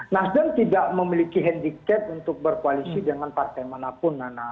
nasdem tidak memiliki handicap untuk berkoalisi dengan partai manapun nana